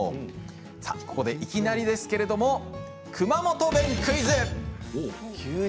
ここで、いきなりですけれど熊本弁クイズ！